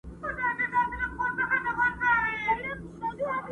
سخت حالت سره مخ ده،